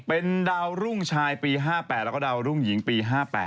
เป็นดาวรุ่งชายปี๕๘แล้วก็ดาวรุ่งหญิงปี๕๘